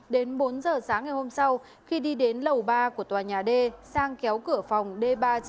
đến bốn giờ sáng ngày hôm sau khi đi đến lầu ba của tòa nhà d sang kéo cửa phòng d ba